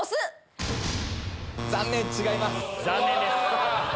残念です。